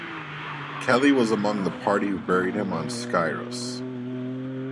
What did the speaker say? Kelly was among the party who buried him on Skyros.